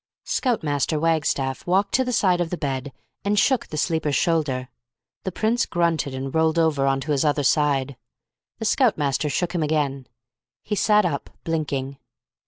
Scout Master Wagstaff walked to the side of the bed, and shook the sleeper's shoulder. The Prince grunted, and rolled over on to his other side. The Scout Master shook him again. He sat up, blinking.